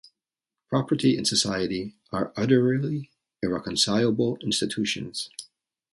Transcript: Property and society are utterly irreconcilable institutions.